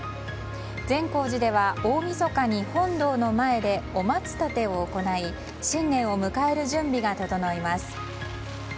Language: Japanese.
善光寺では大みそかに本堂の前でお松立てを行い新年を迎える準備が整います。